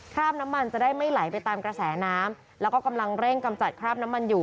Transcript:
ราบน้ำมันจะได้ไม่ไหลไปตามกระแสน้ำแล้วก็กำลังเร่งกำจัดคราบน้ำมันอยู่